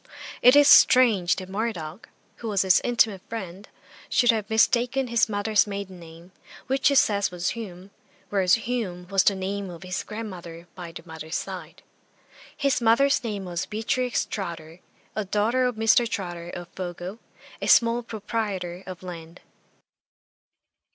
It is strange that Murdoch, who was his intimate friend, should have mistaken his mother's maiden name, which he says was Hume, whereas Hume was the name of his grandmother by the mother's side. His mother's name was Beatrix Trotter, a daughter of Mr. Trotter, of Fogo, a small proprietor of land.